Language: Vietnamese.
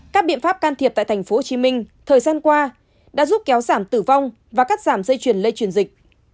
các biện pháp can thiệp tại tp hcm thời gian qua đã giúp kéo giảm tử vong và cắt giảm dây chuyền lây truyền dịch